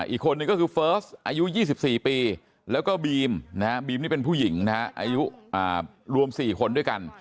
อีกคนนึงก็คือเฟิร์สอายุ๒๔ปีแล้วก็บีมนะฮะบีมนี่เป็นผู้หญิงนะฮะอายุรวม๔คนด้วยกัน